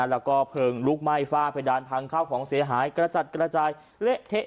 แล้วก็เพิ่งลูกไม่ฟากโดรนพังเขาของเสียหายกระจัดกระจายเละเทะ